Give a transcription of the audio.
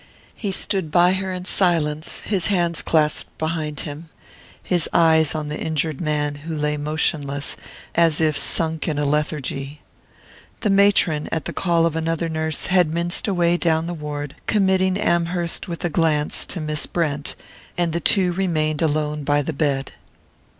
He stood by her in silence, his hands clasped behind him, his eyes on the injured man, who lay motionless, as if sunk in a lethargy. The matron, at the call of another nurse, had minced away down the ward, committing Amherst with a glance to Miss Brent; and the two remained alone by the bed.